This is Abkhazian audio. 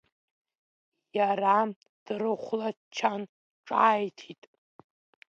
Иара дрыхәлаччан, ҿааиҭит…